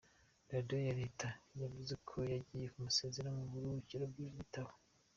Radio ya leta yavuze ko yagiye kumusezera mu buruhukiro bw'ibitaro.